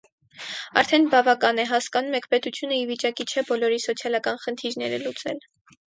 Արդեն բավական է, հասկանում եք, պետությունը ի վիճակի չէ բոլորի սոցիալական խնդիրները լուծել: